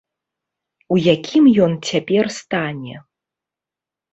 У якім ён цяпер стане?